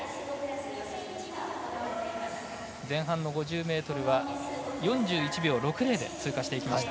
前半の５０ｍは４１秒６０で通過していきました。